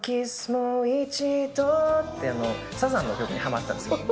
もう一度って、サザンの曲にハマってたんですよ。